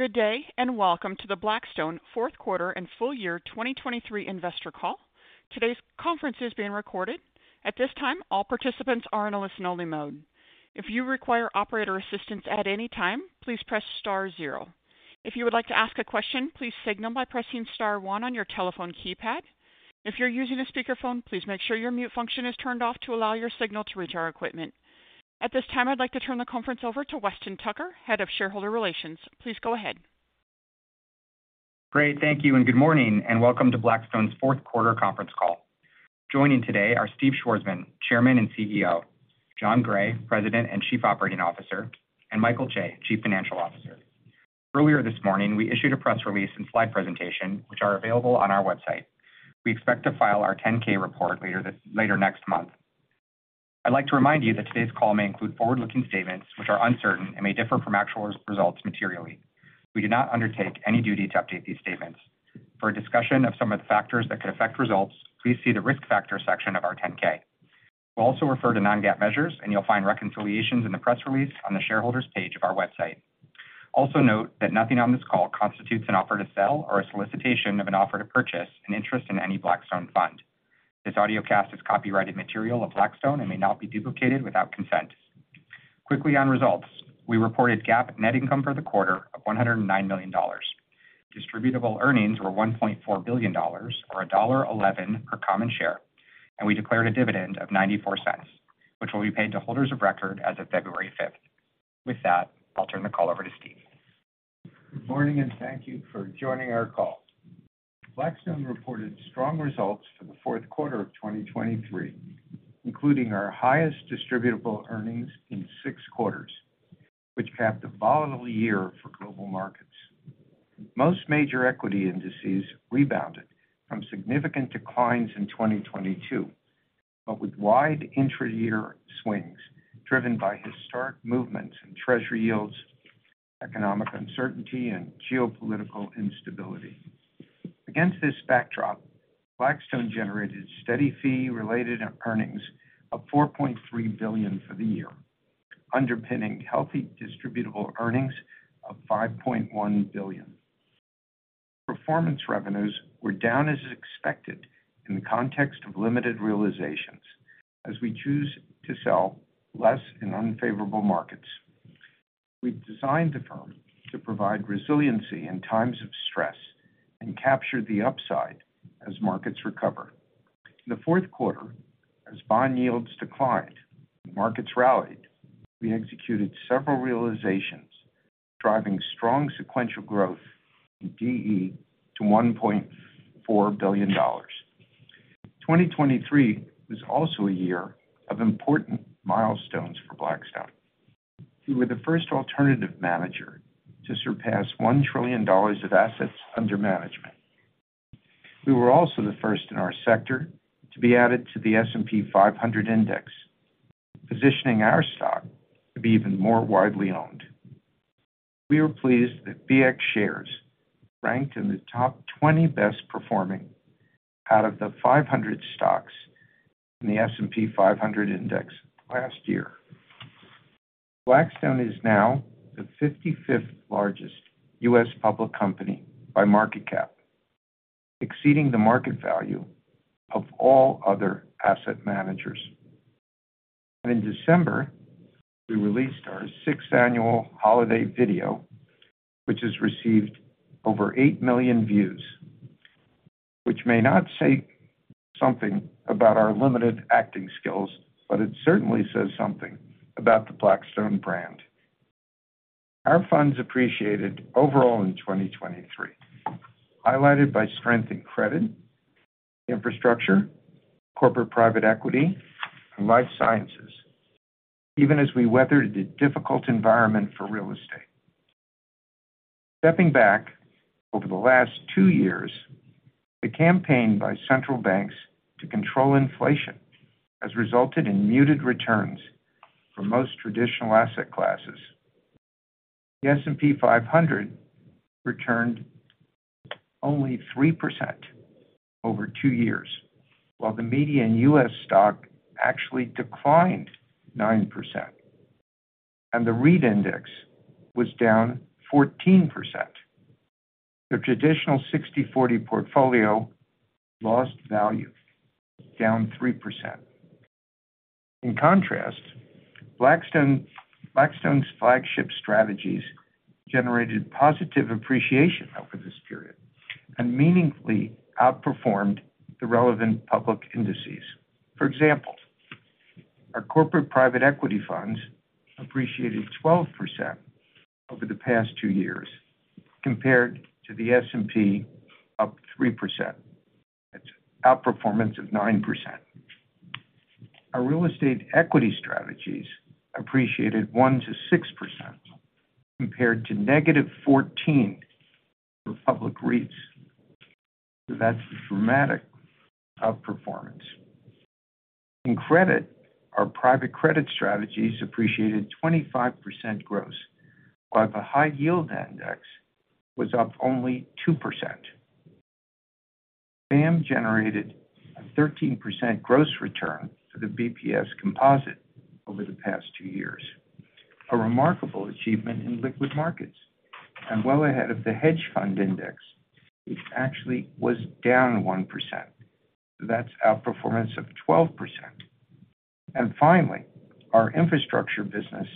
Good day, and welcome to the Blackstone fourth quarter and full year 2023 investor call. Today's conference is being recorded. At this time, all participants are in a listen-only mode. If you require operator assistance at any time, please press star zero. If you would like to ask a question, please signal by pressing star one on your telephone keypad. If you're using a speakerphone, please make sure your mute function is turned off to allow your signal to reach our equipment. At this time, I'd like to turn the conference over to Weston Tucker, Head of Shareholder Relations. Please go ahead. Great. Thank you, and good morning, and welcome to Blackstone's fourth quarter conference call. Joining today are Steve Schwarzman, Chairman and CEO, Jon Gray, President and Chief Operating Officer, and Michael Chae, Chief Financial Officer. Earlier this morning, we issued a press release and slide presentation, which are available on our website. We expect to file our 10-K report later next month. I'd like to remind you that today's call may include forward-looking statements, which are uncertain and may differ from actual results materially. We do not undertake any duty to update these statements. For a discussion of some of the factors that could affect results, please see the Risk Factors section of our 10-K. We'll also refer to non-GAAP measures, and you'll find reconciliations in the press release on the Shareholders page of our website. Also note that nothing on this call constitutes an offer to sell or a solicitation of an offer to purchase an interest in any Blackstone fund. This audiocast is copyrighted material of Blackstone and may not be duplicated without consent. Quickly on results, we reported GAAP net income for the quarter of $109 million. Distributable earnings were $1.4 billion, or $1.11 per common share, and we declared a dividend of $0.94, which will be paid to holders of record as of February 5th. With that, I'll turn the call over to Steve. Good morning, and thank you for joining our call. Blackstone reported strong results for the fourth quarter of 2023, including our highest distributable earnings in six quarters, which capped a volatile year for global markets. Most major equity indices rebounded from significant declines in 2022, but with wide intra-year swings, driven by historic movements in Treasury yields, economic uncertainty, and geopolitical instability. Against this backdrop, Blackstone generated steady fee-related earnings of $4.3 billion for the year, underpinning healthy distributable earnings of $5.1 billion. Performance revenues were down as expected in the context of limited realizations, as we choose to sell less in unfavorable markets. We've designed the firm to provide resiliency in times of stress and capture the upside as markets recover. In the fourth quarter, as bond yields declined and markets rallied, we executed several realizations, driving strong sequential growth in DE to $1.4 billion. 2023 was also a year of important milestones for Blackstone. We were the first alternative manager to surpass $1 trillion of assets under management. We were also the first in our sector to be added to the S&P 500 Index, positioning our stock to be even more widely owned. We were pleased that BX shares ranked in the top 20 best-performing out of the 500 stocks in the S&P 500 Index last year. Blackstone is now the 55th largest U.S. public company by market cap, exceeding the market value of all other asset managers. In December, we released our sixth annual holiday video, which has received over eight million views, which may not say something about our limited acting skills, but it certainly says something about the Blackstone brand. Our funds appreciated overall in 2023, highlighted by strength in credit, infrastructure, corporate private equity, and life sciences, even as we weathered a difficult environment for real estate. Stepping back over the last two years, the campaign by central banks to control inflation has resulted in muted returns for most traditional asset classes. The S&P 500 returned only 3% over two years, while the median U.S. stock actually declined 9%, and the REIT index was down 14%. The traditional 60/40 portfolio lost value, down 3%. In contrast, Blackstone, Blackstone's flagship strategies generated positive appreciation over this period and meaningfully outperformed the relevant public indices. For example, our corporate private equity funds appreciated 12% over the past two years compared to the S&P, up 3%. That's outperformance of 9%. Our real estate equity strategies appreciated 1%-6%, compared to -14% for public REITs. That's a dramatic outperformance. In credit, our private credit strategies appreciated 25% gross, while the high yield index was up only 2%.... BAAM generated a 13% gross return for the BPS composite over the past two years, a remarkable achievement in liquid markets and well ahead of the hedge fund index, which actually was down 1%. That's outperformance of 12%. And finally, our infrastructure business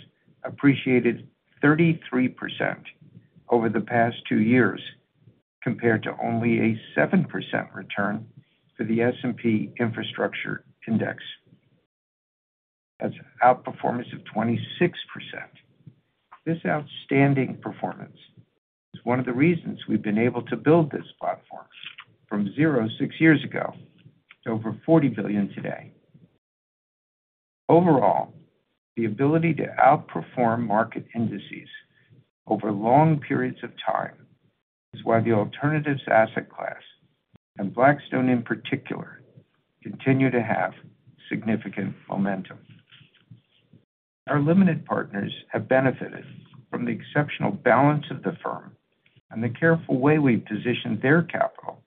appreciated 33% over the past two years, compared to only a 7% return for the S&P Infrastructure Index. That's an outperformance of 26%. This outstanding performance is one of the reasons we've been able to build this platform from 0, 6 years ago to over $40 billion today. Overall, the ability to outperform market indices over long periods of time is why the alternative asset class, and Blackstone in particular, continue to have significant momentum. Our Limited Partners have benefited from the exceptional balance of the firm and the careful way we've positioned their capital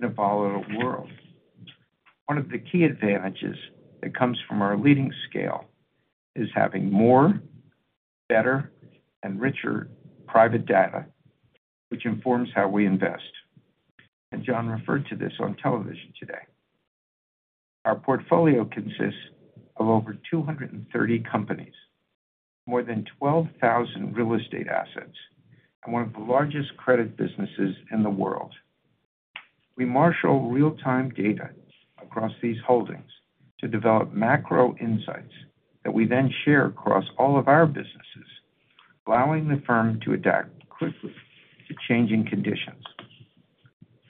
in a volatile world. One of the key advantages that comes from our leading scale is having more, better, and richer private data, which informs how we invest, and Jon referred to this on television today. Our portfolio consists of over 230 companies, more than 12,000 real estate assets, and one of the largest credit businesses in the world. We marshal real-time data across these holdings to develop macro insights that we then share across all of our businesses, allowing the firm to adapt quickly to changing conditions.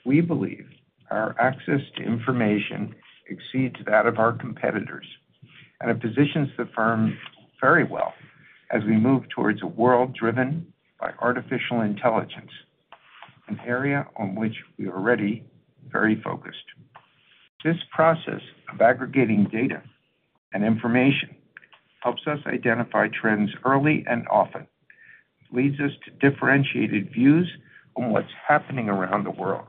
We believe our access to information exceeds that of our competitors, and it positions the firm very well as we move towards a world driven by artificial intelligence, an area on which we are already very focused. This process of aggregating data and information helps us identify trends early and often. It leads us to differentiated views on what's happening around the world.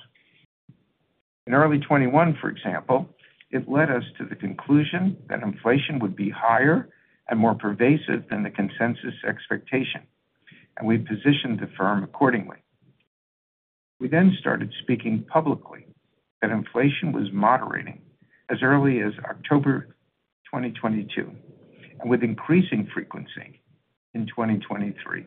In early 2021, for example, it led us to the conclusion that inflation would be higher and more pervasive than the consensus expectation, and we positioned the firm accordingly. We then started speaking publicly that inflation was moderating as early as October 2022, and with increasing frequency in 2023.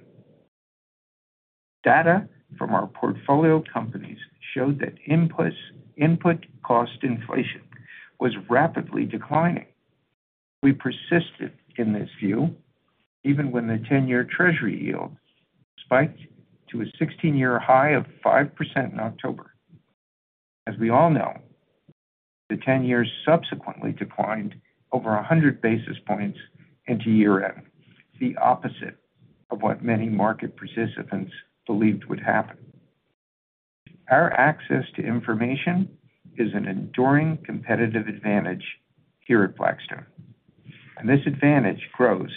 Data from our portfolio companies showed that inputs, input cost inflation was rapidly declining. We persisted in this view, even when the 10-year Treasury yield spiked to a 16-year high of 5% in October. As we all know, the 10 years subsequently declined over 100 basis points into year-end, the opposite of what many market participants believed would happen. Our access to information is an enduring competitive advantage here at Blackstone, and this advantage grows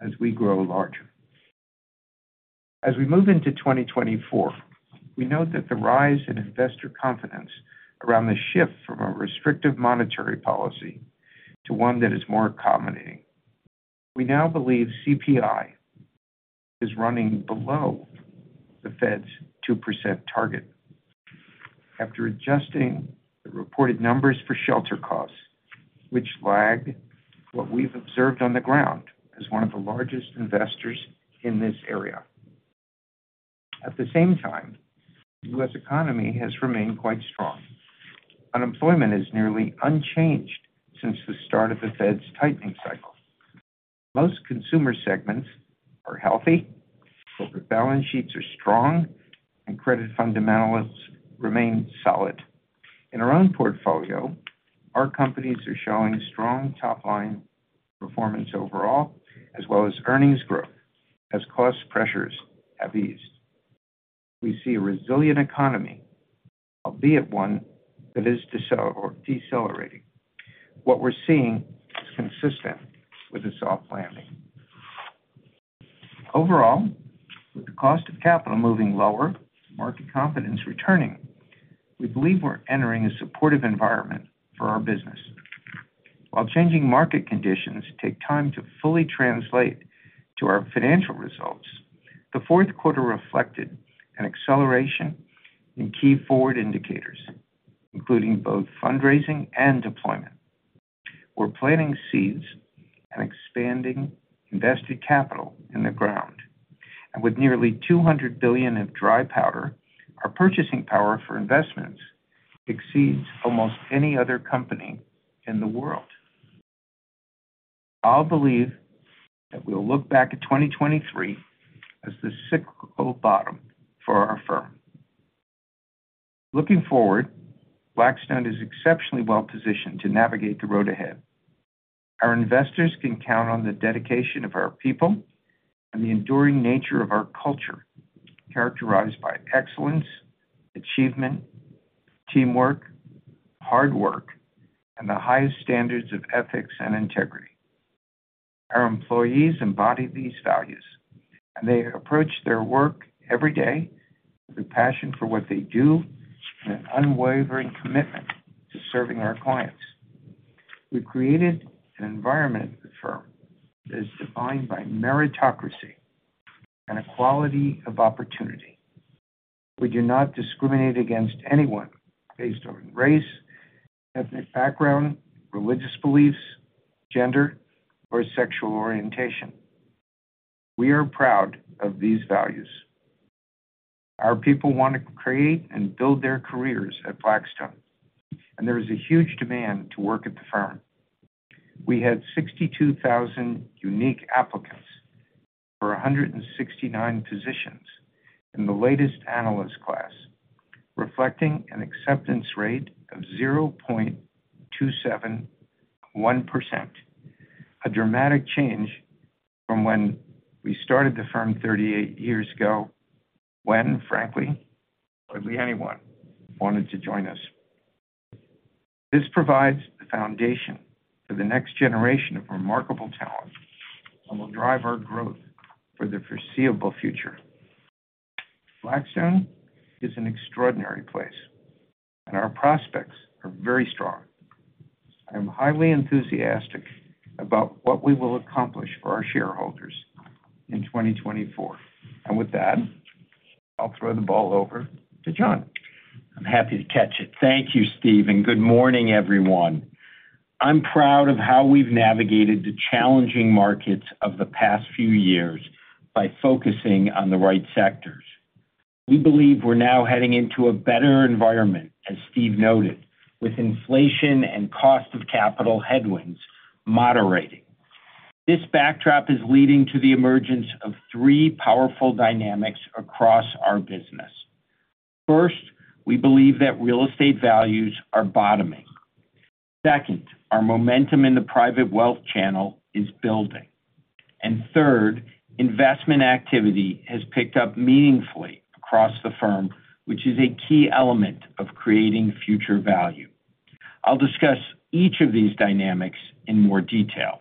as we grow larger. As we move into 2024, we note that the rise in investor confidence around the shift from a restrictive monetary policy to one that is more accommodating. We now believe CPI is running below the Fed's 2% target. After adjusting the reported numbers for shelter costs, which lag what we've observed on the ground as one of the largest investors in this area. At the same time, the U.S. economy has remained quite strong. Unemployment is nearly unchanged since the start of the Fed's tightening cycle. Most consumer segments are healthy, corporate balance sheets are strong, and credit fundamentals remain solid. In our own portfolio, our companies are showing strong top-line performance overall, as well as earnings growth, as cost pressures have eased. We see a resilient economy, albeit one that is decelerating. What we're seeing is consistent with a soft landing. Overall, with the cost of capital moving lower, market confidence returning, we believe we're entering a supportive environment for our business. While changing market conditions take time to fully translate to our financial results, the fourth quarter reflected an acceleration in key forward indicators, including both fundraising and deployment. We're planting seeds and expanding invested capital in the ground, and with nearly $200 billion of dry powder, our purchasing power for investments exceeds almost any other company in the world. I'll believe that we'll look back at 2023 as the cyclical bottom for our firm. Looking forward, Blackstone is exceptionally well-positioned to navigate the road ahead. Our investors can count on the dedication of our people and the enduring nature of our culture, characterized by excellence, achievement, teamwork, hard work, and the highest standards of ethics and integrity. Our employees embody these values, and they approach their work every day with a passion for what they do and an unwavering commitment to serving our clients. We've created an environment at the firm that is defined by meritocracy and equality of opportunity. We do not discriminate against anyone based on race, ethnic background, religious beliefs, gender, or sexual orientation. We are proud of these values. Our people want to create and build their careers at Blackstone, and there is a huge demand to work at the firm. We had 62,000 unique applicants for 169 positions in the latest analyst class, reflecting an acceptance rate of 0.271%, a dramatic change from when we started the firm 38 years ago, when, frankly, hardly anyone wanted to join us. This provides the foundation for the next generation of remarkable talent and will drive our growth for the foreseeable future. Blackstone is an extraordinary place, and our prospects are very strong. I'm highly enthusiastic about what we will accomplish for our shareholders in 2024. And with that, I'll throw the ball over to Jon. I'm happy to catch it. Thank you, Steve, and good morning, everyone. I'm proud of how we've navigated the challenging markets of the past few years by focusing on the right sectors. We believe we're now heading into a better environment, as Steve noted, with inflation and cost of capital headwinds moderating. This backdrop is leading to the emergence of three powerful dynamics across our business. First, we believe that real estate values are bottoming. Second, our momentum in the private wealth channel is building. And third, investment activity has picked up meaningfully across the firm, which is a key element of creating future value. I'll discuss each of these dynamics in more detail.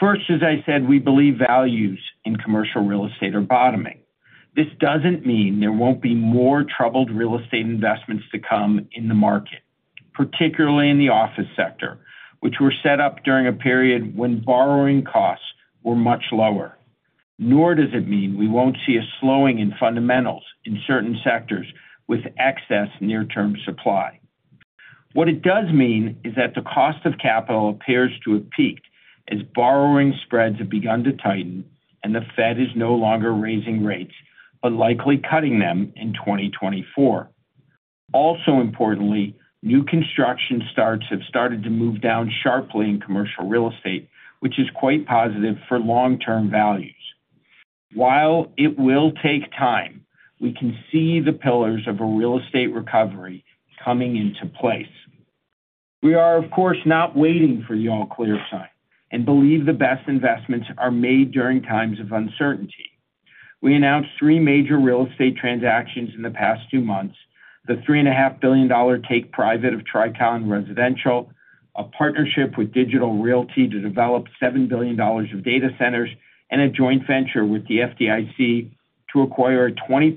First, as I said, we believe values in commercial real estate are bottoming. This doesn't mean there won't be more troubled real estate investments to come in the market, particularly in the office sector, which were set up during a period when borrowing costs were much lower, nor does it mean we won't see a slowing in fundamentals in certain sectors with excess near-term supply. What it does mean is that the cost of capital appears to have peaked as borrowing spreads have begun to tighten and the Fed is no longer raising rates, but likely cutting them in 2024. Also importantly, new construction starts have started to move down sharply in commercial real estate, which is quite positive for long-term values. While it will take time, we can see the pillars of a real estate recovery coming into place. We are, of course, not waiting for the all-clear sign and believe the best investments are made during times of uncertainty. We announced three major real estate transactions in the past two months. The $3.5 billion take private of Tricon Residential, a partnership with Digital Realty to develop $7 billion of data centers, and a joint venture with the FDIC to acquire a 20%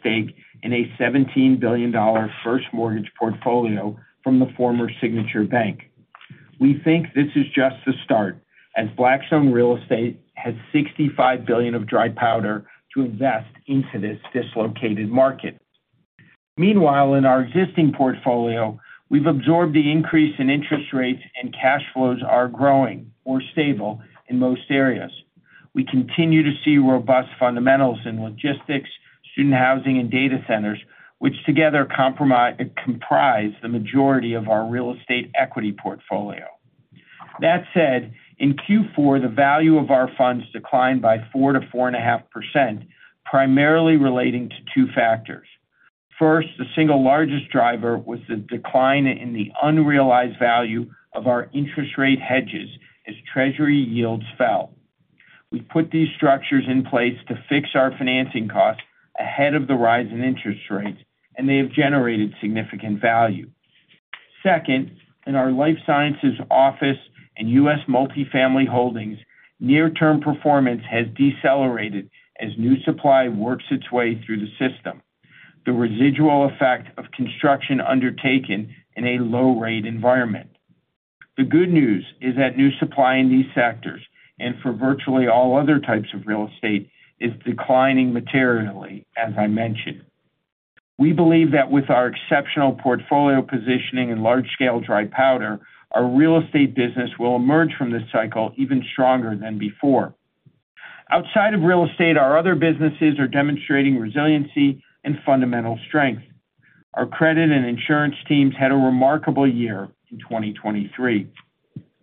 stake in a $17 billion first mortgage portfolio from the former Signature Bank. We think this is just the start, as Blackstone Real Estate has $65 billion of dry powder to invest into this dislocated market. Meanwhile, in our existing portfolio, we've absorbed the increase in interest rates, and cash flows are growing or stable in most areas. We continue to see robust fundamentals in logistics, student housing, and data centers, which together comprise the majority of our real estate equity portfolio. That said, in Q4, the value of our funds declined by 4%-4.5%, primarily relating to two factors. First, the single largest driver was the decline in the unrealized value of our interest rate hedges as Treasury yields fell. We put these structures in place to fix our financing costs ahead of the rise in interest rates, and they have generated significant value. Second, in our life sciences office and U.S. multifamily holdings, near-term performance has decelerated as new supply works its way through the system, the residual effect of construction undertaken in a low-rate environment. The good news is that new supply in these sectors, and for virtually all other types of real estate, is declining materially, as I mentioned. We believe that with our exceptional portfolio positioning and large-scale dry powder, our real estate business will emerge from this cycle even stronger than before. Outside of real estate, our other businesses are demonstrating resiliency and fundamental strength. Our credit and insurance teams had a remarkable year in 2023,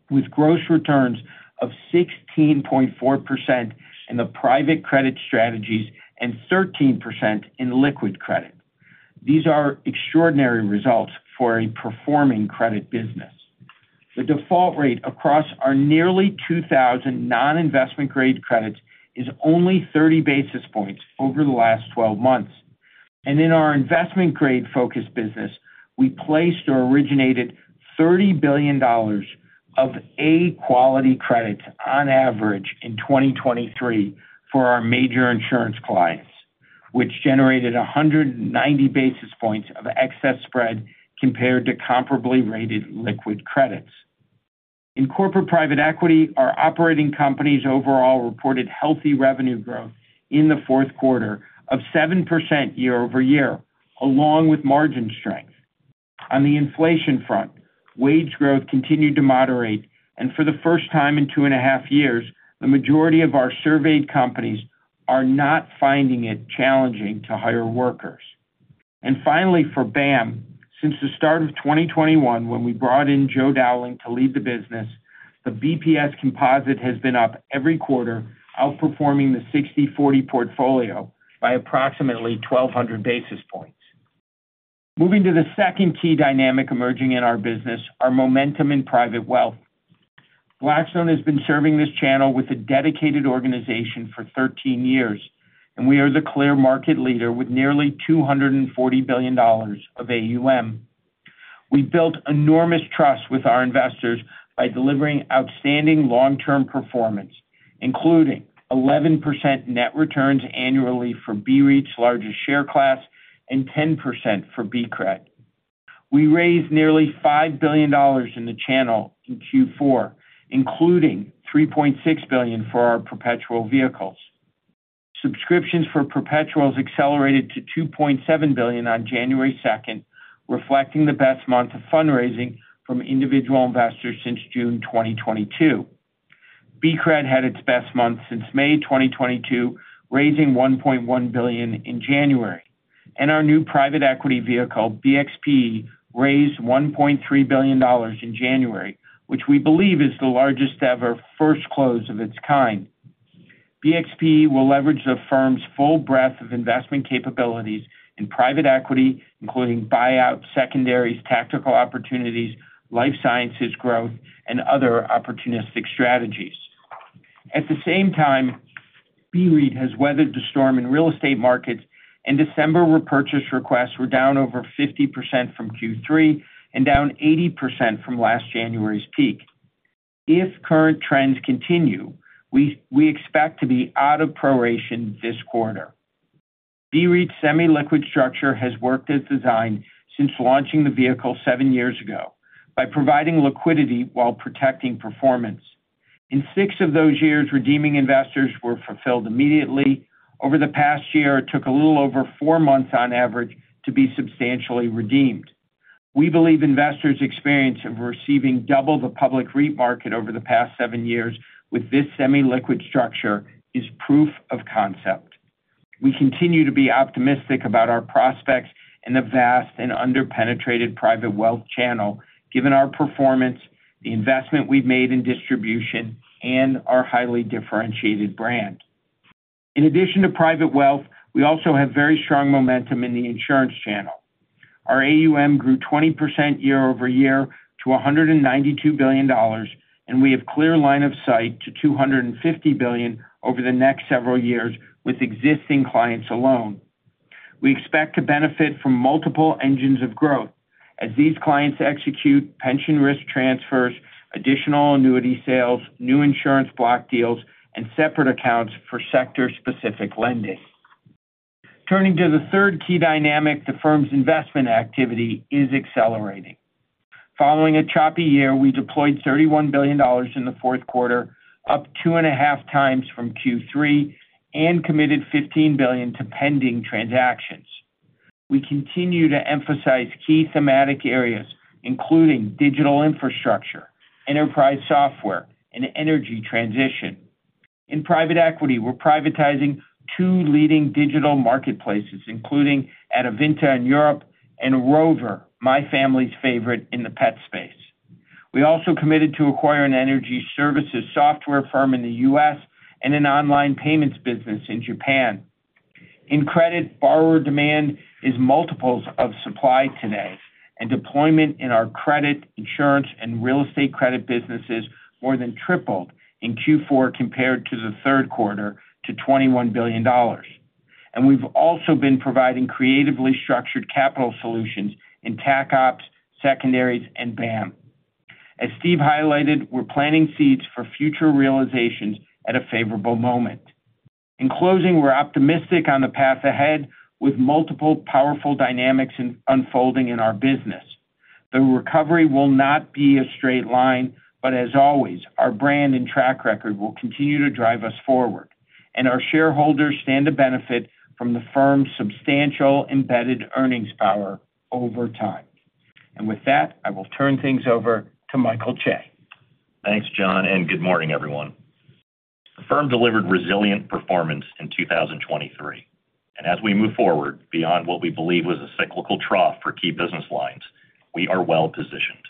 with gross returns of 16.4% in the private credit strategies and 13% in liquid credit. These are extraordinary results for a performing credit business. The default rate across our nearly 2,000 non-investment grade credits is only 30 basis points over the last 12 months.... In our investment-grade focused business, we placed or originated $30 billion of A-quality credits on average in 2023 for our major insurance clients, which generated 190 basis points of excess spread compared to comparably rated liquid credits. In corporate private equity, our operating companies overall reported healthy revenue growth in the fourth quarter of 7% year-over-year, along with margin strength. On the inflation front, wage growth continued to moderate, and for the first time in two and a half years, the majority of our surveyed companies are not finding it challenging to hire workers. And finally, for BAAM, since the start of 2021, when we brought in Joe Dowling to lead the business, the BPS composite has been up every quarter, outperforming the 60/40 portfolio by approximately 1,200 basis points. Moving to the second key dynamic emerging in our business, our momentum in private wealth. Blackstone has been serving this channel with a dedicated organization for 13 years, and we are the clear market leader with nearly $240 billion of AUM. We've built enormous trust with our investors by delivering outstanding long-term performance, including 11% net returns annually for BREIT's largest share class, and 10% for BCRED. We raised nearly $5 billion in the channel in Q4, including $3.6 billion for our perpetual vehicles. Subscriptions for perpetuals accelerated to $2.7 billion on January 2nd, reflecting the best month of fundraising from individual investors since June 2022. BCRED had its best month since May 2022, raising $1.1 billion in January. And our new private equity vehicle, BXPE, raised $1.3 billion in January, which we believe is the largest ever first close of its kind. BXPE will leverage the firm's full breadth of investment capabilities in private equity, including buyouts, secondaries, tactical opportunities, life sciences growth, and other opportunistic strategies. At the same time, BREIT has weathered the storm in real estate markets, and December repurchase requests were down over 50% from Q3, and down 80% from last January's peak. If current trends continue, we expect to be out of proration this quarter. BREIT's semi-liquid structure has worked as designed since launching the vehicle seven years ago, by providing liquidity while protecting performance. In six of those years, redeeming investors were fulfilled immediately. Over the past year, it took a little over four months on average to be substantially redeemed. public REIT market over the past seven years with this semi-liquid structure is proof of concept. We continue to be optimistic about our prospects in the vast and under-penetrated private wealth channel, given our performance, the investment we've made in distribution, and our highly differentiated brand. In addition to private wealth, we also have very strong momentum in the insurance channel. Our AUM grew 20% year-over-year to $192 billion, and we have clear line of sight to $250 billion over the next several years with existing clients alone. We expect to benefit from multiple engines of growth as these clients execute pension risk transfers, additional annuity sales, new insurance block deals, and separate accounts for sector-specific lending. Turning to the third key dynamic, the firm's investment activity is accelerating. Following a choppy year, we deployed $31 billion in the fourth quarter, up 2.5x from Q3, and committed $15 billion to pending transactions. We continue to emphasize key thematic areas, including digital infrastructure, enterprise software, and energy transition. In private equity, we're privatizing two leading digital marketplaces, including Adevinta in Europe, and Rover, my family's favorite, in the pet space. We also committed to acquire an energy services software firm in the U.S., and an online payments business in Japan. In credit, borrower demand is multiples of supply today, and deployment in our credit, insurance, and real estate credit businesses more than tripled in Q4 compared to the third quarter, to $21 billion. And we've also been providing creatively structured capital solutions in TACOps, secondaries, and BAAM. As Steve highlighted, we're planting seeds for future realizations at a favorable moment. In closing, we're optimistic on the path ahead, with multiple powerful dynamics unfolding in our business. The recovery will not be a straight line, but as always, our brand and track record will continue to drive us forward, and our shareholders stand to benefit from the firm's substantial embedded earnings power over time. With that, I will turn things over to Michael Chae. Thanks, Jon, and good morning, everyone. The firm delivered resilient performance in 2023, and as we move forward beyond what we believe was a cyclical trough for key business lines, we are well-positioned.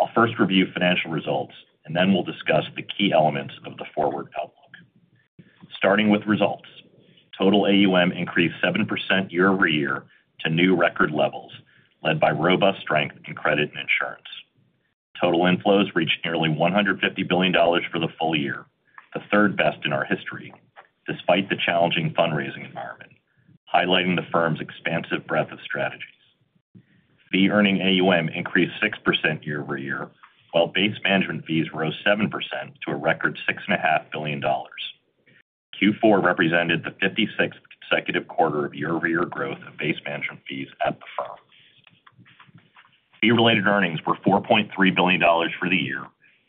I'll first review financial results, and then we'll discuss the key elements of the forward outlook. Starting with results, total AUM increased 7% year-over-year to new record levels, led by robust strength in credit and insurance.... Total inflows reached nearly $150 billion for the full year, the third best in our history, despite the challenging fundraising environment, highlighting the firm's expansive breadth of strategies. Fee earning AUM increased 6% year-over-year, while base management fees rose 7% to a record $6.5 billion. Q4 represented the 56th consecutive quarter of year-over-year growth in base management fees at the firm. Fee-related earnings were $4.3 billion for the year,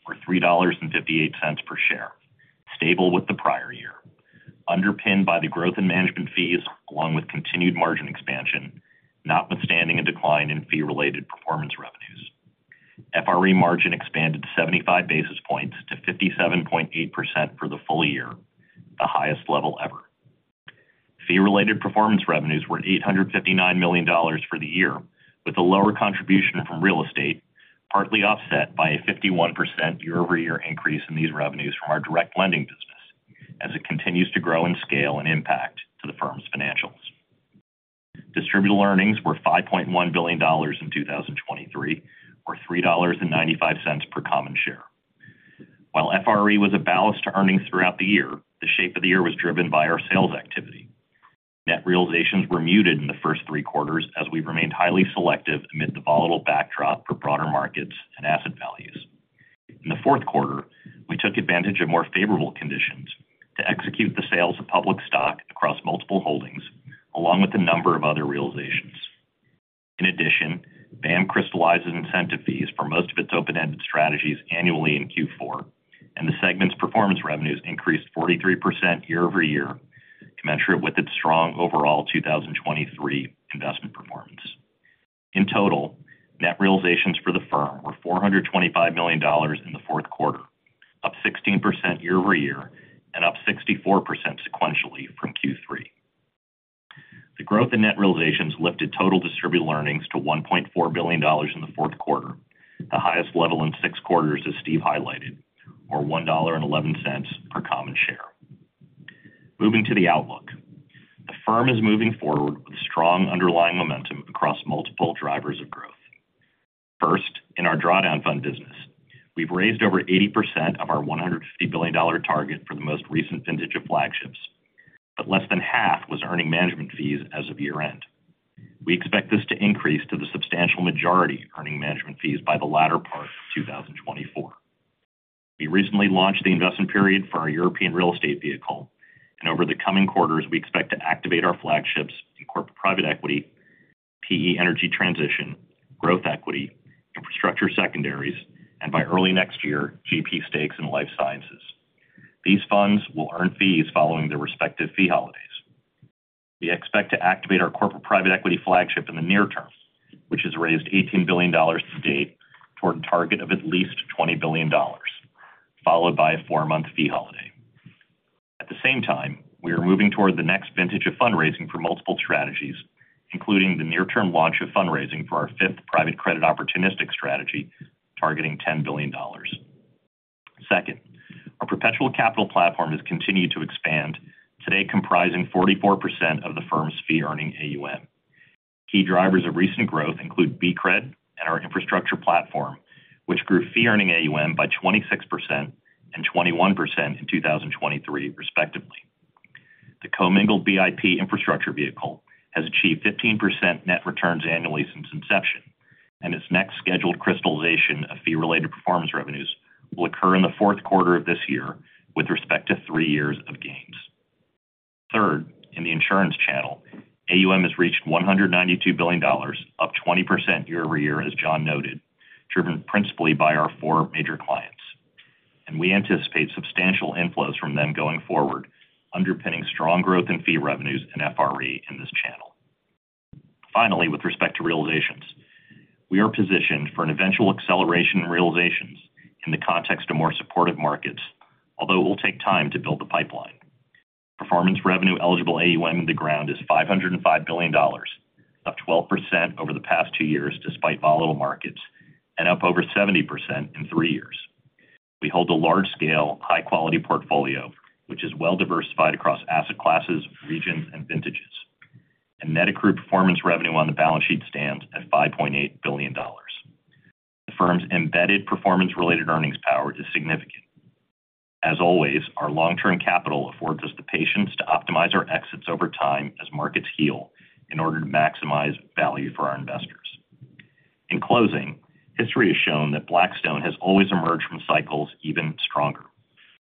or $3.58 per share, stable with the prior year, underpinned by the growth in management fees along with continued margin expansion, notwithstanding a decline in fee-related performance revenues. FRE margin expanded 75 basis points to 57.8% for the full year, the highest level ever. Fee-related performance revenues were $859 million for the year, with a lower contribution from real estate, partly offset by a 51% year-over-year increase in these revenues from our direct lending business, as it continues to grow in scale and impact to the firm's financials. Distributable earnings were $5.1 billion in 2023, or $3.95 per common share. While FRE was a ballast to earnings throughout the year, the shape of the year was driven by our sales activity. Net realizations were muted in the first three quarters as we remained highly selective amid the volatile backdrop for broader markets and asset values. In the fourth quarter, we took advantage of more favorable conditions to execute the sales of public stock across multiple holdings, along with a number of other realizations. In addition, BAAM crystallizes incentive fees for most of its open-ended strategies annually in Q4, and the segment's performance revenues increased 43% year-over-year to match it with its strong overall 2023 investment performance. In total, net realizations for the firm were $425 million in the fourth quarter, up 16% year-over-year and up 64% sequentially from Q3. The growth in net realizations lifted total distributed earnings to $1.4 billion in the fourth quarter, the highest level in six quarters, as Steve highlighted, or $1.11 per common share. Moving to the outlook. The firm is moving forward with strong underlying momentum across multiple drivers of growth. First, in our drawdown fund business, we've raised over 80% of our $150 billion target for the most recent vintage of flagships, but less than half was earning management fees as of year-end. We expect this to increase to the substantial majority earning management fees by the latter part of 2024. We recently launched the investment period for our European real estate vehicle, and over the coming quarters, we expect to activate our flagships in corporate private equity, PE energy transition, growth equity, infrastructure secondaries, and by early next year, GP Stakes in life sciences. These funds will earn fees following their respective fee holidays. We expect to activate our corporate private equity flagship in the near term, which has raised $18 billion to date toward a target of at least $20 billion, followed by a four-month fee holiday. At the same time, we are moving toward the next vintage of fundraising for multiple strategies, including the near-term launch of fundraising for our fifth private credit opportunistic strategy, targeting $10 billion. Second, our perpetual capital platform has continued to expand, today comprising 44% of the firm's fee-earning AUM. Key drivers of recent growth include BCRED and our infrastructure platform, which grew fee-earning AUM by 26% and 21% in 2023, respectively. The commingled BIP infrastructure vehicle has achieved 15% net returns annually since inception, and its next scheduled crystallization of fee-related performance revenues will occur in the fourth quarter of this year with respect to three years of gains. Third, in the insurance channel, AUM has reached $192 billion, up 20% year-over-year, as Jon noted, driven principally by our four major clients. We anticipate substantial inflows from them going forward, underpinning strong growth in fee revenues and FRE in this channel. Finally, with respect to realizations, we are positioned for an eventual acceleration in realizations in the context of more supportive markets, although it will take time to build the pipeline. Performance revenue eligible AUM in the ground is $505 billion, up 12% over the past two years, despite volatile markets, and up over 70% in three years. We hold a large-scale, high-quality portfolio, which is well-diversified across asset classes, regions, and vintages. And net accrued performance revenue on the balance sheet stands at $5.8 billion. The firm's embedded performance-related earnings power is significant. As always, our long-term capital affords us the patience to optimize our exits over time as markets heal in order to maximize value for our investors. In closing, history has shown that Blackstone has always emerged from cycles even stronger.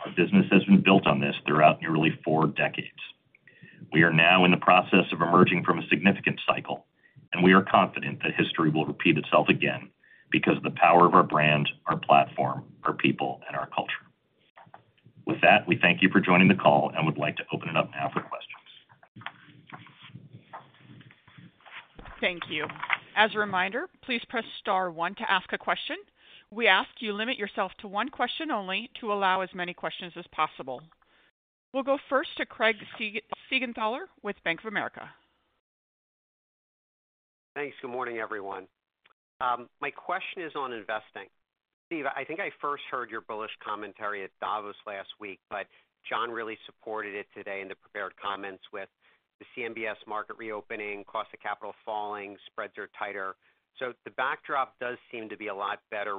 Our business has been built on this throughout nearly four decades. We are now in the process of emerging from a significant cycle, and we are confident that history will repeat itself again because of the power of our brand, our platform, our people, and our culture. With that, we thank you for joining the call and would like to open it up now for questions. Thank you. As a reminder, please press star one to ask a question. We ask you limit yourself to one question only to allow as many questions as possible. We'll go first to Craig Siegenthaler with Bank of America.... Thanks. Good morning, everyone. My question is on investing. Steve, I think I first heard your bullish commentary at Davos last week, but Jon really supported it today in the prepared comments with the CMBS market reopening, cost of capital falling, spreads are tighter. So the backdrop does seem to be a lot better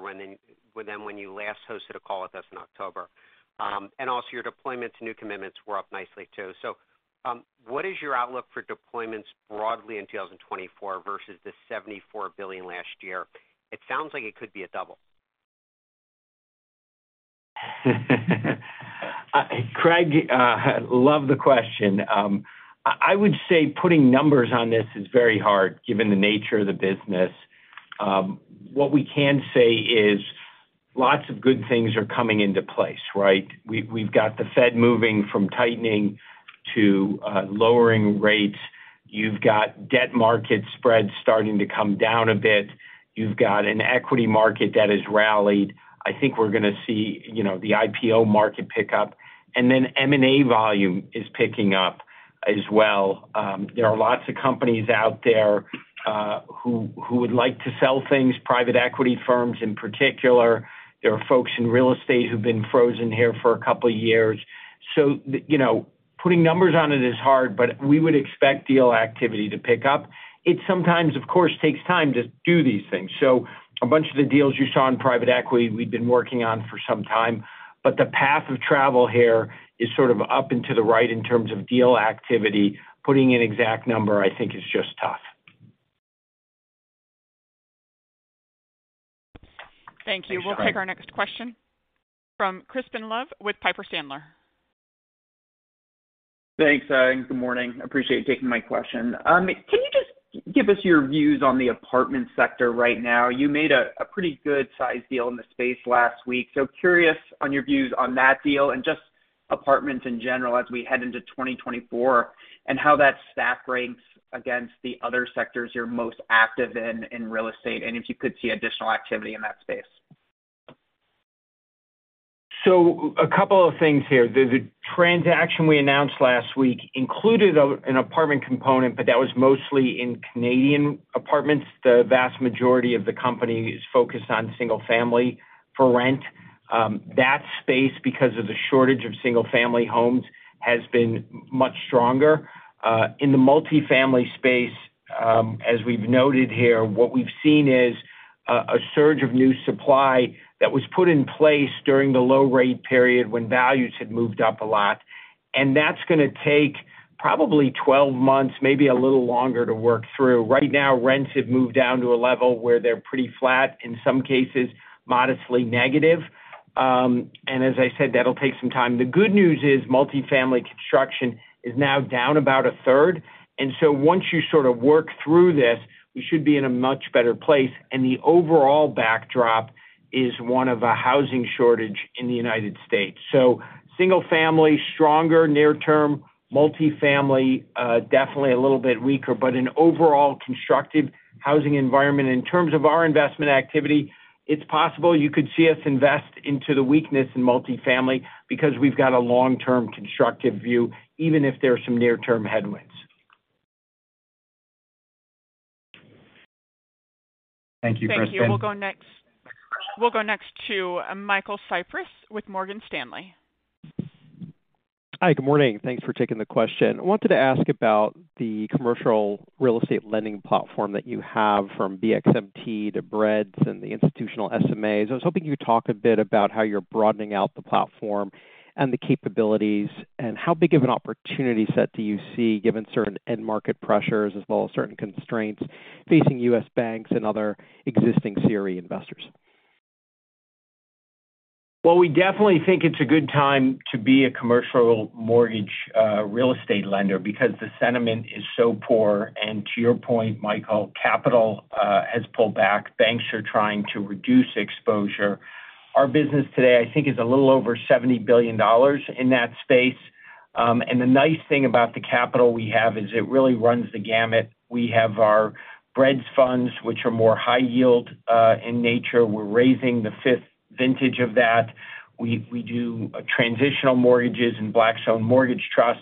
than when you last hosted a call with us in October. And also your deployment to new commitments were up nicely too. So, what is your outlook for deployments broadly in 2024 versus the $74 billion last year? It sounds like it could be a double. Craig, love the question. I would say putting numbers on this is very hard, given the nature of the business. What we can say is lots of good things are coming into place, right? We've, we've got the Fed moving from tightening to lowering rates. You've got debt market spreads starting to come down a bit. You've got an equity market that has rallied. I think we're gonna see, you know, the IPO market pick up, and then M&A volume is picking up as well. There are lots of companies out there who would like to sell things, private equity firms in particular. There are folks in real estate who've been frozen here for a couple of years. So, you know, putting numbers on it is hard, but we would expect deal activity to pick up. It sometimes, of course, takes time to do these things. So a bunch of the deals you saw in private equity, we've been working on for some time, but the path of travel here is sort of up and to the right in terms of deal activity. Putting an exact number, I think, is just tough. Thank you. Thanks, Craig. We'll take our next question from Crispin Love with Piper Sandler. Thanks, good morning. Appreciate you taking my question. Can you just give us your views on the apartment sector right now? You made a pretty good-sized deal in the space last week. So curious on your views on that deal and just apartments in general as we head into 2024, and how that stacks up against the other sectors you're most active in, in real estate, and if you could see additional activity in that space? So a couple of things here. The transaction we announced last week included an apartment component, but that was mostly in Canadian apartments. The vast majority of the company is focused on single-family for rent. That space, because of the shortage of single-family homes, has been much stronger. In the multifamily space, as we've noted here, what we've seen is a surge of new supply that was put in place during the low rate period when values had moved up a lot. And that's gonna take probably 12 months, maybe a little longer, to work through. Right now, rents have moved down to a level where they're pretty flat, in some cases, modestly negative. And as I said, that'll take some time. The good news is multifamily construction is now down about a third, and so once you sort of work through this, we should be in a much better place, and the overall backdrop is one of a housing shortage in the United States. So single family, stronger near term. Multifamily, definitely a little bit weaker, but an overall constructive housing environment. In terms of our investment activity, it's possible you could see us invest into the weakness in multifamily because we've got a long-term constructive view, even if there are some near-term headwinds. Thank you, Crispin. Thank you. We'll go next to Michael Cyprys with Morgan Stanley. Hi, good morning. Thanks for taking the question. I wanted to ask about the commercial real estate lending platform that you have from BXMT to BREDS and the institutional SMAs. I was hoping you'd talk a bit about how you're broadening out the platform and the capabilities, and how big of an opportunity set do you see, given certain end-market pressures as well as certain constraints facing U.S. banks and other existing CRE investors? Well, we definitely think it's a good time to be a commercial mortgage real estate lender because the sentiment is so poor. And to your point, Michael, capital has pulled back. Banks are trying to reduce exposure. Our business today, I think, is a little over $70 billion in that space. And the nice thing about the capital we have is it really runs the gamut. We have our BREDS funds, which are more high yield in nature. We're raising the fifth vintage of that. We do transitional mortgages and Blackstone Mortgage Trust.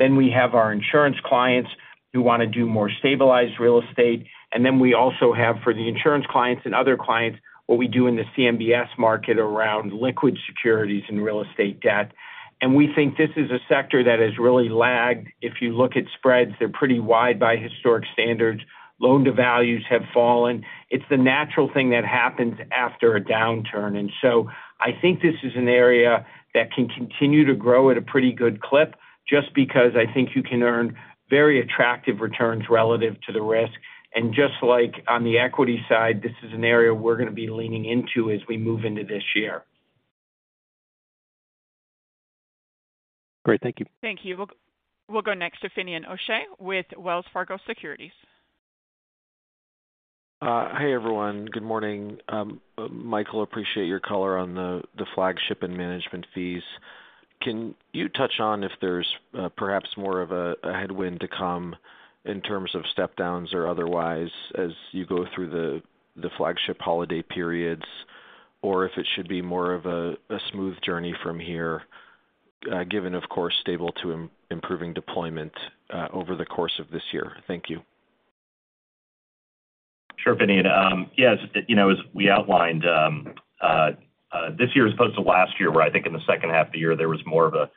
Then we have our insurance clients who wanna do more stabilized real estate. And then we also have, for the insurance clients and other clients, what we do in the CMBS market around liquid securities and real estate debt. And we think this is a sector that has really lagged. If you look at spreads, they're pretty wide by historic standards. Loan to values have fallen. It's the natural thing that happens after a downturn. And so I think this is an area that can continue to grow at a pretty good clip, just because I think you can earn very attractive returns relative to the risk. And just like on the equity side, this is an area we're gonna be leaning into as we move into this year. Great. Thank you. Thank you. We'll go next to Finian O'Shea with Wells Fargo Securities. Hi, everyone. Good morning. Michael, appreciate your color on the flagship and management fees. Can you touch on if there's perhaps more of a headwind to come in terms of step downs or otherwise, as you go through the flagship holiday periods?... or if it should be more of a smooth journey from here, given, of course, stable to improving deployment, over the course of this year. Thank you. Sure, Finian. Yes, you know, as we outlined, this year as opposed to last year, where I think in the second half of the year, there was more of a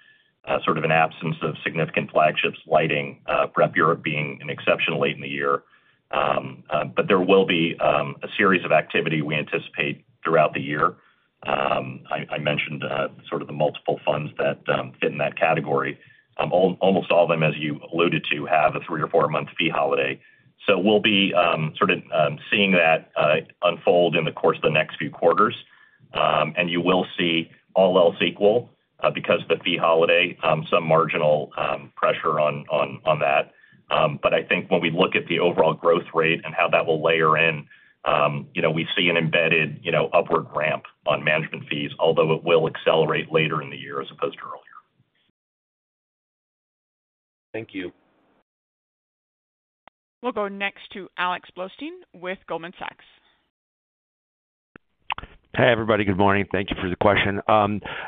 sort of an absence of significant flagship launches, BREP Europe being an exception late in the year. But there will be a series of activity we anticipate throughout the year. I mentioned sort of the multiple funds that fit in that category. Almost all of them, as you alluded to, have a three or four-month fee holiday. So we'll be sort of seeing that unfold in the course of the next few quarters. And you will see all else equal, because of the fee holiday, some marginal pressure on that. I think when we look at the overall growth rate and how that will layer in, you know, we see an embedded, you know, upward ramp on management fees, although it will accelerate later in the year as opposed to earlier. Thank you. We'll go next to Alex Blostein with Goldman Sachs. Hey, everybody. Good morning. Thank you for the question.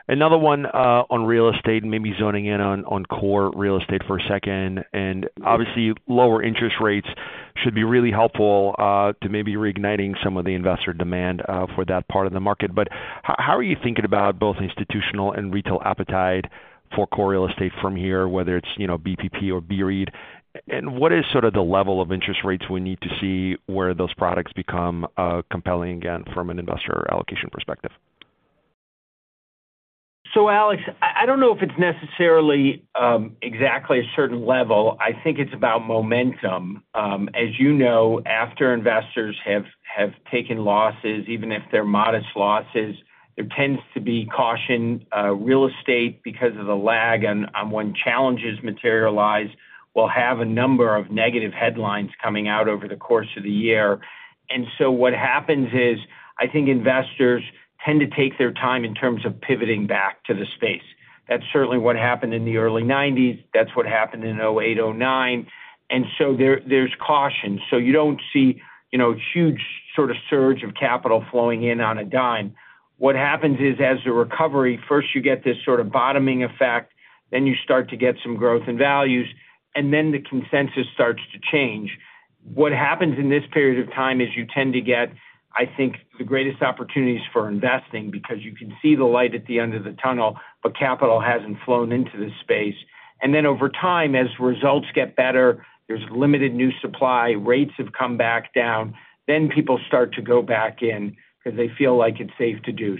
Another one on real estate, and maybe zoning in on core real estate for a second. And obviously, lower interest rates should be really helpful to maybe reigniting some of the investor demand for that part of the market. But how are you thinking about both institutional and retail appetite for core real estate from here, whether it's, you know, BPP or BREIT? And what is sort of the level of interest rates we need to see where those products become compelling again from an investor allocation perspective? So, Alex, I don't know if it's necessarily exactly a certain level. I think it's about momentum. As you know, after investors have taken losses, even if they're modest losses, there tends to be caution real estate, because of the lag and when challenges materialize, we'll have a number of negative headlines coming out over the course of the year. And so what happens is, I think investors tend to take their time in terms of pivoting back to the space. That's certainly what happened in the early 1990's, that's what happened in 2008, 2009. And so there's caution. So you don't see, you know, huge sort of surge of capital flowing in on a dime. What happens is, as the recovery, first you get this sort of bottoming effect, then you start to get some growth and values, and then the consensus starts to change. What happens in this period of time is you tend to get, I think, the greatest opportunities for investing, because you can see the light at the end of the tunnel, but capital hasn't flown into the space. And then over time, as results get better, there's limited new supply, rates have come back down, then people start to go back in because they feel like it's safe to do.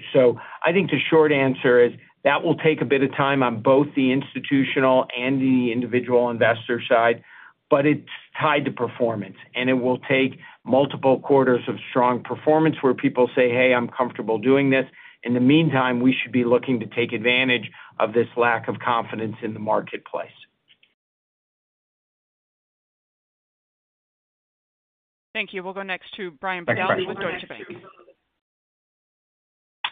I think the short answer is that will take a bit of time on both the institutional and the individual investor side, but it's tied to performance, and it will take multiple quarters of strong performance, where people say, "Hey, I'm comfortable doing this." In the meantime, we should be looking to take advantage of this lack of confidence in the marketplace. Thank you. We'll go next to Brian Bedell with Deutsche Bank.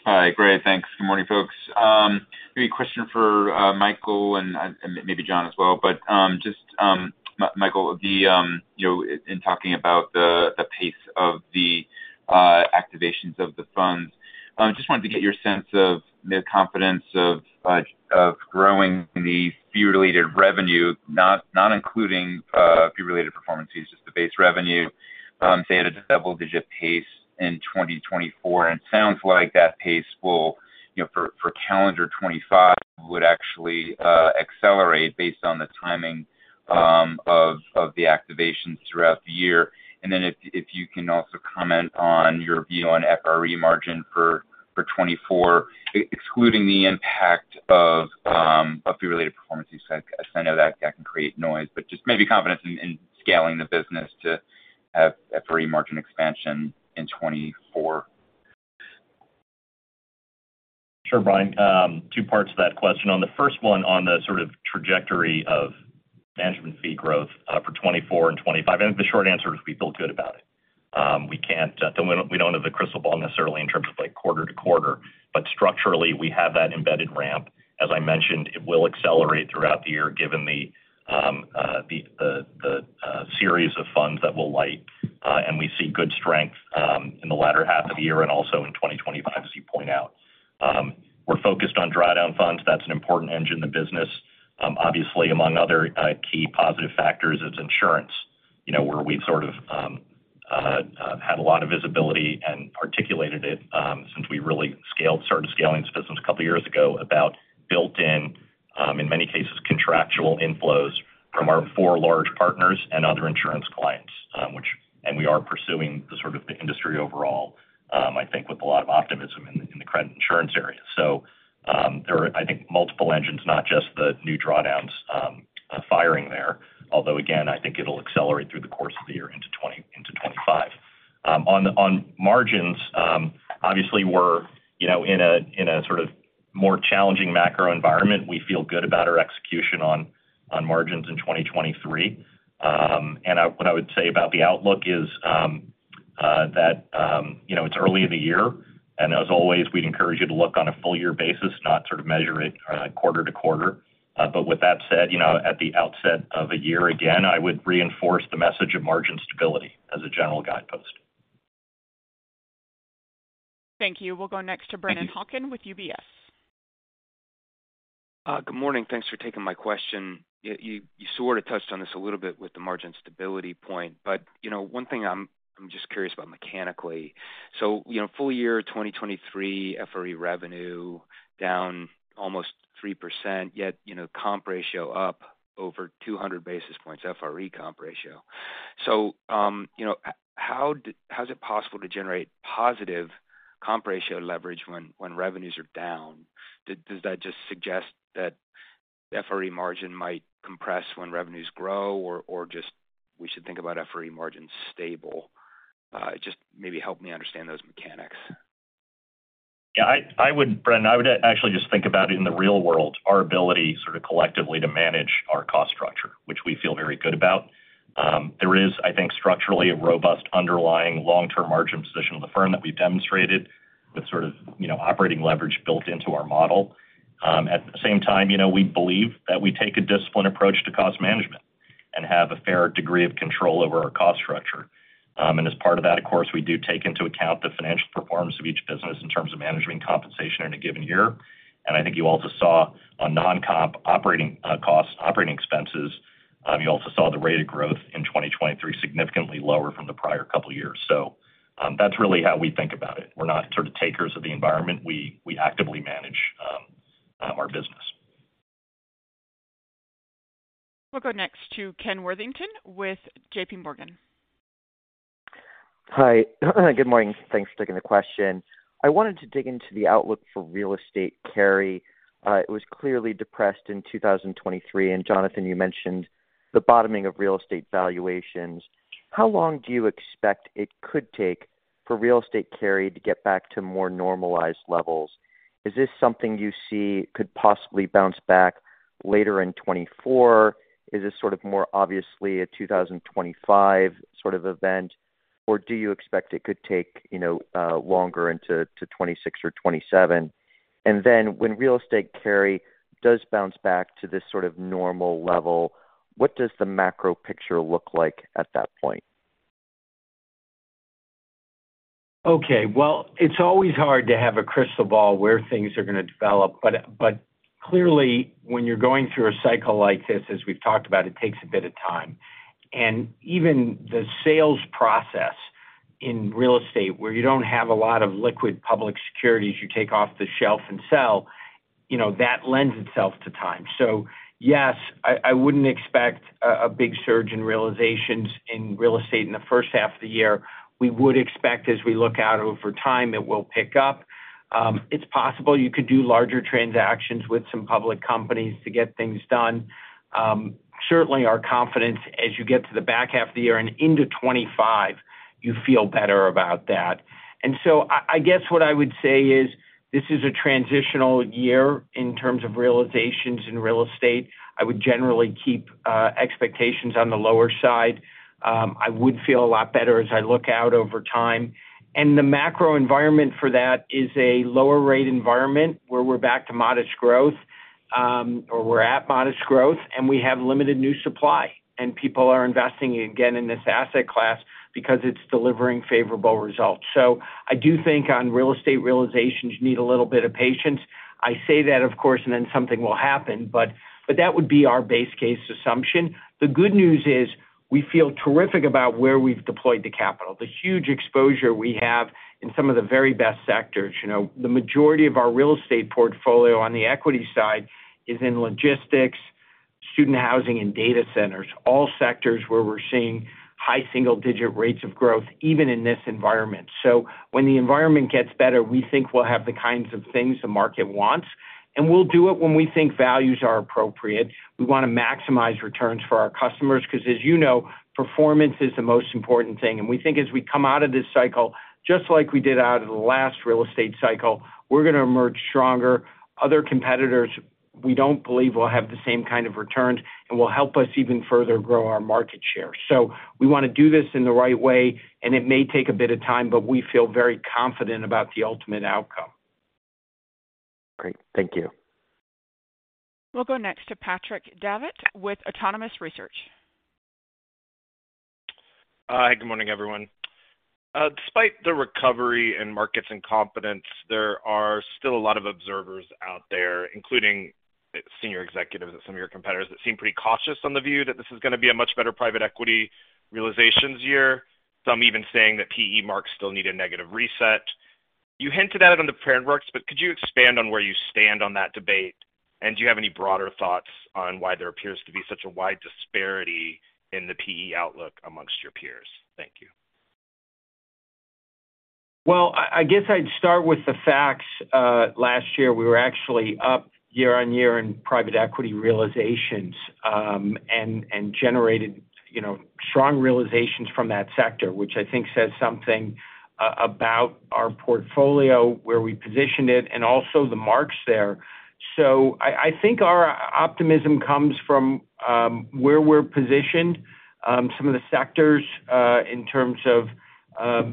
Thank you. Hi, great. Thanks. Good morning, folks. Maybe a question for Michael and maybe Jon as well. But just Michael, you know, in talking about the pace of the activations of the funds, I just wanted to get your sense of the confidence of growing the fee-related revenue, not including fee-related performances, just the base revenue, say, at a double-digit pace in 2024. And it sounds like that pace will, you know, for calendar 2025, would actually accelerate based on the timing of the activations throughout the year. And then if you can also comment on your view on FRE margin for 2024, excluding the impact of fee-related performances. I know that can create noise, but just maybe confidence in scaling the business to have a free margin expansion in 2024. Sure, Brian. Two parts to that question. On the first one, on the sort of trajectory of management fee growth, for 2024 and 2025, and the short answer is we feel good about it. We can't, we don't, we don't have the crystal ball necessarily in terms of like quarter-to- quarter, but structurally, we have that embedded ramp. As I mentioned, it will accelerate throughout the year given the series of funds that will light, and we see good strength, in the latter half of the year and also in 2025, as you point out. We're focused on drawdown funds. That's an important engine in the business. Obviously, among other key positive factors is insurance, you know, where we've sort of had a lot of visibility and articulated it since we really started scaling this business a couple of years ago, about built in, in many cases, contractual inflows from our four large partners and other insurance clients, which and we are pursuing the sort of the industry overall, I think with a lot of optimism in the credit insurance area. So, there are, I think, multiple engines, not just the new drawdowns, firing there. Although again, I think it'll accelerate through the course of the year into 2025. On margins, obviously, we're, you know, in a sort of more challenging macro environment. We feel good about our execution on margins in 2023. What I would say about the outlook is that you know, it's early in the year, and as always, we'd encourage you to look on a full year basis, not sort of measure it quarter-to-quarter. But with that said, you know, at the outset of a year, again, I would reinforce the message of margin stability as a general guidepost. Thank you. We'll go next to Brennan Hawken with UBS. Good morning. Thanks for taking my question. You sort of touched on this a little bit with the margin stability point, but, you know, one thing I'm just curious about mechanically. So, you know, full year, 2023 FRE revenue down almost 3%, yet, you know, comp ratio up over 200 basis points, FRE comp ratio. So, you know, how is it possible to generate positive comp ratio leverage when revenues are down? Does that just suggest that FRE margin might compress when revenues grow or just we should think about FRE margin stable? Just maybe help me understand those mechanics. Yeah, Brendan, I would actually just think about it in the real world, our ability sort of collectively to manage our cost structure, which we feel very good about. There is, I think, structurally a robust underlying long-term margin position of the firm that we've demonstrated with sort of, you know, operating leverage built into our model. At the same time, you know, we believe that we take a disciplined approach to cost management and have a fair degree of control over our cost structure. And as part of that, of course, we do take into account the financial performance of each business in terms of managing compensation in a given year. And I think you also saw on non-comp operating costs, operating expenses, you also saw the rate of growth in 2023, significantly lower from the prior couple of years. That's really how we think about it. We're not sort of takers of the environment. We actively manage our business. We'll go next to Ken Worthington with JPMorgan. Hi, good morning. Thanks for taking the question. I wanted to dig into the outlook for real estate carry. It was clearly depressed in 2023, and Jonathan, you mentioned the bottoming of real estate valuations. How long do you expect it could take for real estate carry to get back to more normalized levels? Is this something you see could possibly bounce back later in 2024? Is this sort of more obviously a 2025 sort of event, or do you expect it could take, you know, longer into 2026 or 2027? And then when real estate carry does bounce back to this sort of normal level, what does the macro picture look like at that point? Okay. Well, it's always hard to have a crystal ball where things are going to develop, but, but clearly, when you're going through a cycle like this, as we've talked about, it takes a bit of time. And even the sales process in real estate, where you don't have a lot of liquid public securities, you take off the shelf and sell, you know, that lends itself to time. So yes, I, I wouldn't expect a, a big surge in realizations in real estate in the first half of the year. We would expect, as we look out over time, it will pick up. It's possible you could do larger transactions with some public companies to get things done. Certainly our confidence as you get to the back half of the year and into 2025, you feel better about that. And so I guess what I would say is, this is a transitional year in terms of realizations in real estate. I would generally keep expectations on the lower side. I would feel a lot better as I look out over time. And the macro environment for that is a lower rate environment, where we're back to modest growth, or we're at modest growth, and we have limited new supply, and people are investing again in this asset class because it's delivering favorable results. So I do think on real estate realizations, you need a little bit of patience. I say that, of course, and then something will happen, but that would be our base case assumption. The good news is, we feel terrific about where we've deployed the capital, the huge exposure we have in some of the very best sectors. You know, the majority of our real estate portfolio on the equity side is in logistics, student housing, and data centers. All sectors where we're seeing high single-digit rates of growth, even in this environment. So when the environment gets better, we think we'll have the kinds of things the market wants, and we'll do it when we think values are appropriate. We want to maximize returns for our customers, because, as you know, performance is the most important thing. And we think as we come out of this cycle, just like we did out of the last real estate cycle, we're going to emerge stronger. Other competitors, we don't believe will have the same kind of returns and will help us even further grow our market share. So we want to do this in the right way, and it may take a bit of time, but we feel very confident about the ultimate outcome. Great. Thank you. We'll go next to Patrick Davitt with Autonomous Research. Good morning, everyone. Despite the recovery in markets and confidence, there are still a lot of observers out there, including senior executives at some of your competitors, that seem pretty cautious on the view that this is going to be a much better private equity realizations year. Some even saying that PE marks still need a negative reset. You hinted at it on the frameworks, but could you expand on where you stand on that debate? And do you have any broader thoughts on why there appears to be such a wide disparity in the PE outlook amongst your peers? Thank you. Well, I guess I'd start with the facts. Last year, we were actually up year-on-year in private equity realizations, and generated, you know, strong realizations from that sector, which I think says something about our portfolio, where we positioned it, and also the marks there. So I think our optimism comes from where we're positioned, some of the sectors, in terms of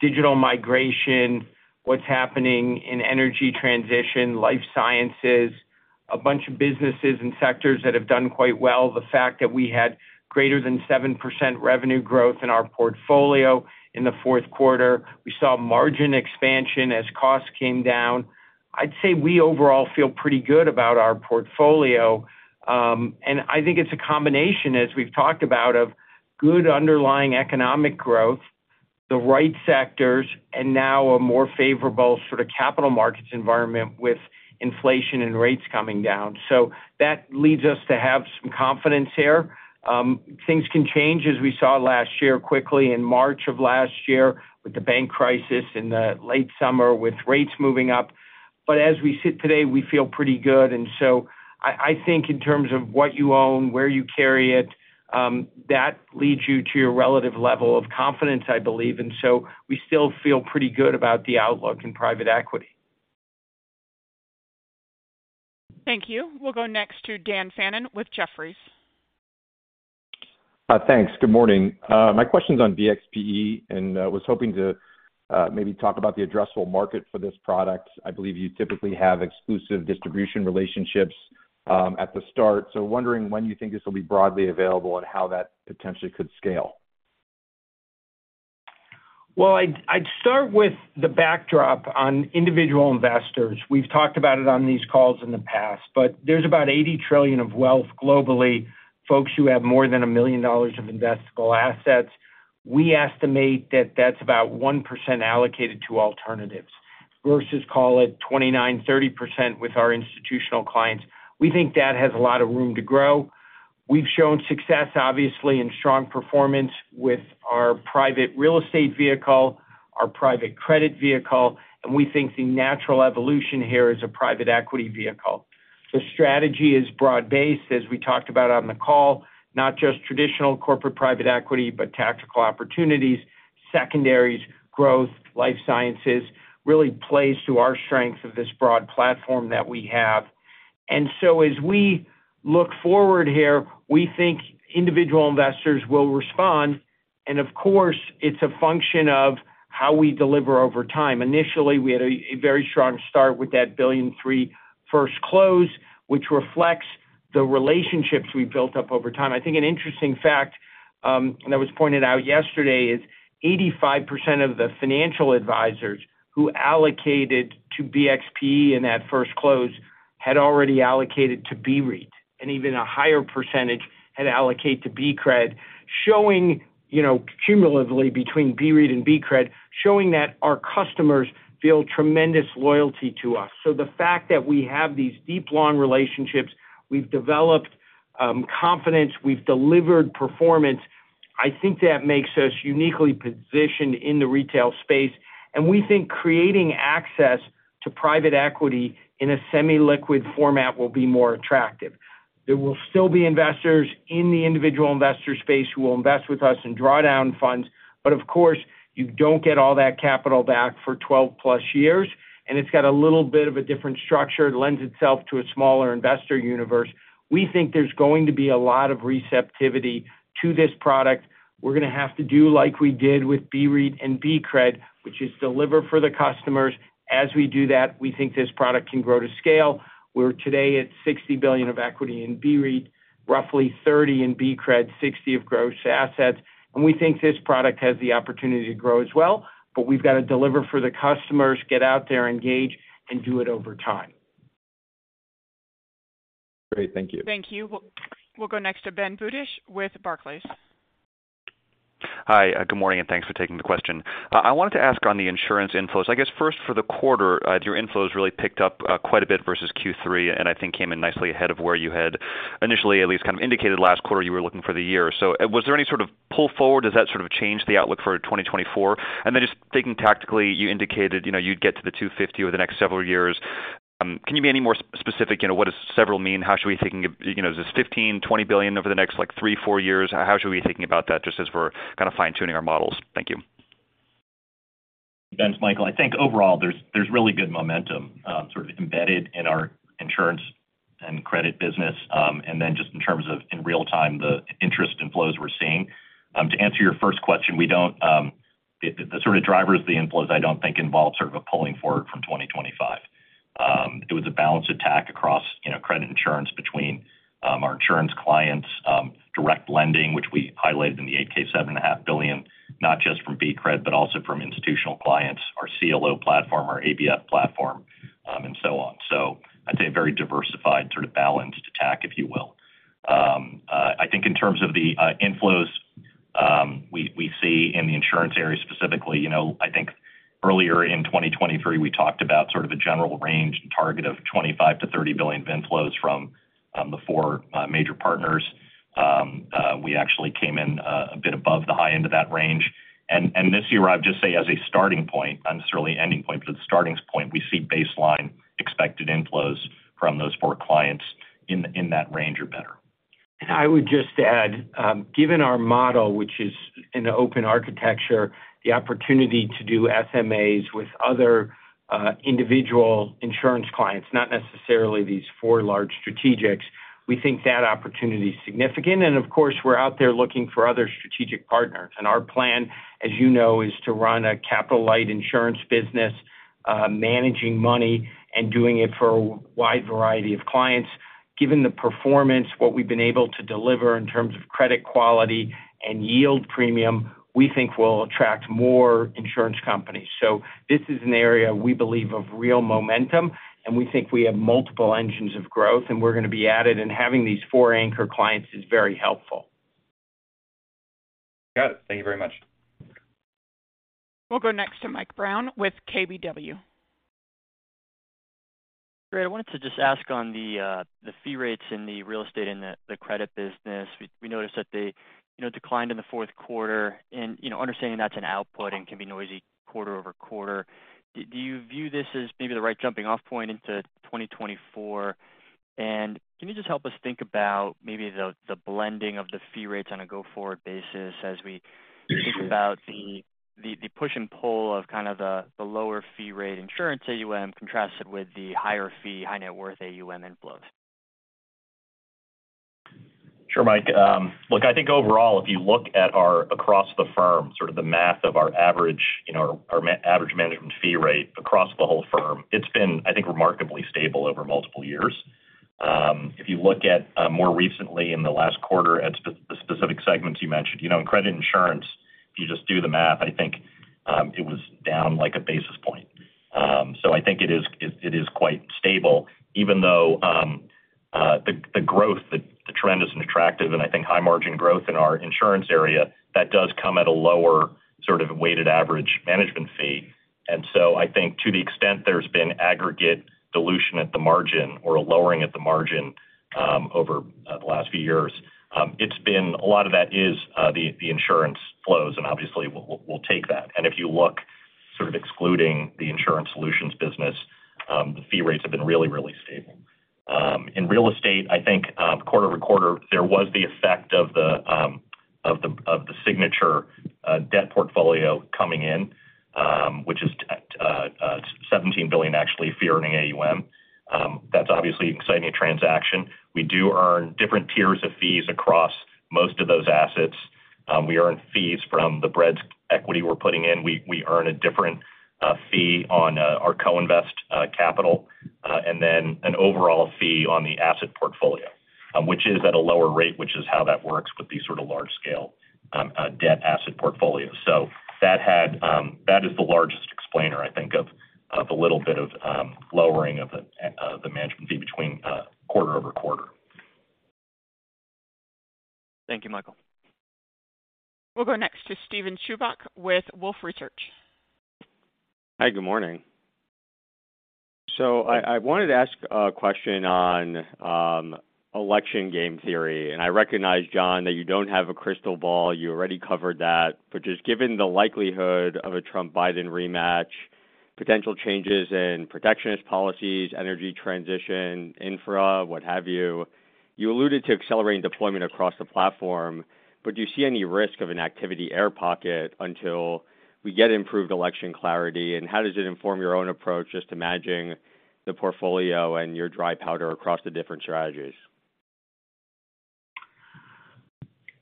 digital migration, what's happening in energy transition, life sciences.... a bunch of businesses and sectors that have done quite well. The fact that we had greater than 7% revenue growth in our portfolio in the fourth quarter, we saw margin expansion as costs came down. I'd say we overall feel pretty good about our portfolio. And I think it's a combination, as we've talked about, of good underlying economic growth, the right sectors, and now a more favorable sort of capital markets environment with inflation and rates coming down. So that leads us to have some confidence here. Things can change, as we saw last year, quickly in March of last year with the bank crisis, in the late summer, with rates moving up. But as we sit today, we feel pretty good. And so I, I think in terms of what you own, where you carry it, that leads you to your relative level of confidence, I believe. And so we still feel pretty good about the outlook in private equity. Thank you. We'll go next to Dan Fannon with Jefferies. Thanks. Good morning. My question's on BXPE, and was hoping to maybe talk about the addressable market for this product. I believe you typically have exclusive distribution relationships at the start. So wondering when you think this will be broadly available and how that potentially could scale? Well, I'd, I'd start with the backdrop on individual investors. We've talked about it on these calls in the past, but there's about $80 trillion of wealth globally, folks who have more than $1 million of investable assets. We estimate that that's about 1% allocated to alternatives, versus call it 29%-30% with our institutional clients. We think that has a lot of room to grow. We've shown success, obviously, and strong performance with our private real estate vehicle, our private credit vehicle, and we think the natural evolution here is a private equity vehicle. The strategy is broad-based, as we talked about on the call, not just traditional corporate private equity, but tactical opportunities, secondaries, growth, life sciences, really plays to our strength of this broad platform that we have. And so as we look forward here, we think individual investors will respond. Of course, it's a function of how we deliver over time. Initially, we had a very strong start with that $1.3 billion first close, which reflects the relationships we've built up over time. I think an interesting fact that was pointed out yesterday is 85% of the financial advisors who allocated to BXPE in that first close had already allocated to BREIT, and even a higher percentage had allocate to BCRED, showing, you know, cumulatively between BREIT and BCRED, showing that our customers feel tremendous loyalty to us. So the fact that we have these deep, long relationships, we've developed confidence, we've delivered performance, I think that makes us uniquely positioned in the retail space. And we think creating access to private equity in a semi-liquid format will be more attractive. There will still be investors in the individual investor space who will invest with us and draw down funds, but of course, you don't get all that capital back for 12+ years, and it's got a little bit of a different structure. It lends itself to a smaller investor universe. We think there's going to be a lot of receptivity to this product. We're going to have to do like we did with BREIT and BCRED, which is deliver for the customers. As we do that, we think this product can grow to scale. We're today at $60 billion of equity in BREIT, roughly $30 billion in BCRED, $60 billion of gross assets, and we think this product has the opportunity to grow as well, but we've got to deliver for the customers, get out there, engage, and do it over time. Great. Thank you. Thank you. We'll, we'll go next to Ben Budish with Barclays. Hi, good morning, and thanks for taking the question. I wanted to ask on the insurance inflows. I guess first for the quarter, your inflows really picked up, quite a bit versus Q3, and I think came in nicely ahead of where you had initially at least kind of indicated last quarter you were looking for the year. So, was there any sort of pull forward? Does that sort of change the outlook for 2024? And then just thinking tactically, you indicated, you know, you'd get to the $250 billion over the next several years. Can you be any more specific? You know, what does several mean? How should we be thinking of, you know, is this $15-$20 billion over the next, like, three, four years? How should we be thinking about that, just as we're kind of fine-tuning our models? Thank you. Thanks, Michael. I think overall, there's really good momentum, sort of embedded in our insurance and credit business. And then just in terms of in real time, the interest inflows we're seeing. To answer your first question, we don't, the sort of drivers of the inflows, I don't think involve sort of a pulling forward from 2025. It was a balanced attack across, you know, credit insurance between, our insurance clients, direct lending, which we highlighted in the 8-K, $7.5 billion, not just from BCRED, but also from institutional clients, our CLO platform, our ABF platform, and so on. So I'd say a very diversified, sort of balanced attack, if you will. I think in terms of the inflows, we see in the insurance area specifically, you know, I think earlier in 2023, we talked about sort of a general range and target of $25 billion-$30 billion inflows from the four major partners. We actually came in a bit above the high end of that range. This year, I'd just say as a starting point, not necessarily an ending point, but the starting point, we see baseline expected inflows from those four clients in that range or better. And I would just add, given our model, which is an open architecture, the opportunity to do SMAs with other, individual insurance clients, not necessarily these four large strategics. We think that opportunity is significant. And of course, we're out there looking for other strategic partners. And our plan, as you know, is to run a capital-light insurance business, managing money and doing it for a wide variety of clients. Given the performance, what we've been able to deliver in terms of credit quality and yield premium, we think we'll attract more insurance companies. So this is an area we believe of real momentum, and we think we have multiple engines of growth, and we're going to be added, and having these four anchor clients is very helpful. Got it. Thank you very much. We'll go next to Mike Brown with KBW. Great. I wanted to just ask on the fee rates in the real estate and the credit business. We noticed that they, you know, declined in the fourth quarter. You know, understanding that's an output and can be noisy quarter over quarter, do you view this as maybe the right jumping-off point into 2024? And can you just help us think about maybe the blending of the fee rates on a go-forward basis as we think about the push and pull of kind of the lower fee rate insurance AUM, contrasted with the higher fee, high net worth AUM inflows? Sure, Mike. Look, I think overall, if you look at our across the firm, sort of the math of our average, you know, our average management fee rate across the whole firm, it's been, I think, remarkably stable over multiple years. If you look at more recently in the last quarter at the specific segments you mentioned, you know, in credit insurance, if you just do the math, I think it was down like a basis point. So I think it is quite stable, even though the growth, the trend is attractive, and I think high margin growth in our insurance area, that does come at a lower sort of weighted average management fee. So I think to the extent there's been aggregate dilution at the margin or a lowering at the margin, over the last few years, it's been a lot of that is the insurance flows, and obviously, we'll take that. If you look sort of excluding the insurance solutions business, the fee rates have been really, really stable. In real estate, I think, quarter-over-quarter, there was the effect of the Signature debt portfolio coming in, which is $17 billion, actually, fee-earning AUM. That's obviously an exciting transaction. We do earn different tiers of fees across most of those assets. We earn fees from the BREDS equity we're putting in. We earn a different fee on our co-invest capital, and then an overall fee on the asset portfolio, which is at a lower rate, which is how that works with these sort of large-scale debt asset portfolios. So that had, that is the largest explainer, I think, of a little bit of lowering of the management fee between quarter-over-quarter. Thank you, Michael. We'll go next to Steven Chubak with Wolfe Research. Hi, good morning. I wanted to ask a question on election game theory, and I recognize, Jon, that you don't have a crystal ball, you already covered that. But just given the likelihood of a Trump-Biden rematch, potential changes in protectionist policies, energy transition, infra, what have you, you alluded to accelerating deployment across the platform, but do you see any risk of an activity air pocket until we get improved election clarity? And how does it inform your own approach, just imagining the portfolio and your dry powder across the different strategies?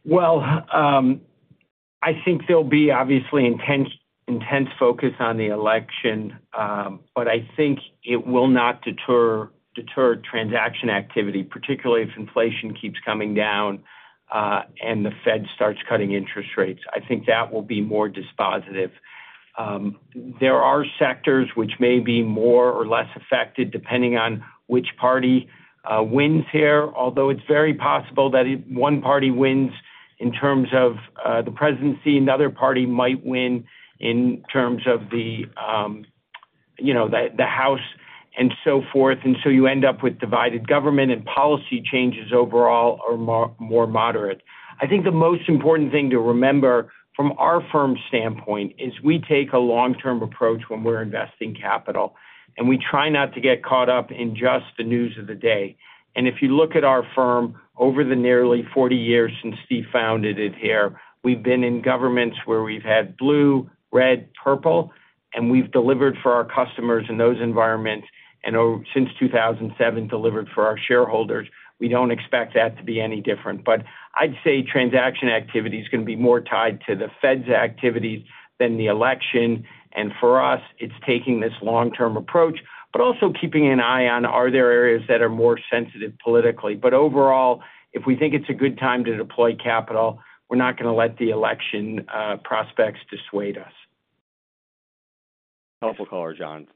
Well, I think there'll be obviously intense focus on the election, but I think it will not deter transaction activity, particularly if inflation keeps coming down, and the Fed starts cutting interest rates. I think that will be more dispositive. There are sectors which may be more or less affected, depending on which party wins here. Although it's very possible that if one party wins in terms of the presidency, another party might win in terms of the House and so forth, and so you end up with divided government, and policy changes overall are more moderate. I think the most important thing to remember from our firm's standpoint is we take a long-term approach when we're investing capital, and we try not to get caught up in just the news of the day. And if you look at our firm over the nearly 40 years since Steve founded it here, we've been in governments where we've had blue, red, purple, and we've delivered for our customers in those environments, and since 2007, delivered for our shareholders. We don't expect that to be any different. But I'd say transaction activity is going to be more tied to the Fed's activities than the election. And for us, it's taking this long-term approach, but also keeping an eye on, are there areas that are more sensitive politically? But overall, if we think it's a good time to deploy capital, we're not going to let the election prospects dissuade us. Helpful caller, Jon.